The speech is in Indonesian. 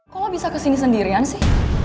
kok lo bisa kesini sendirian sih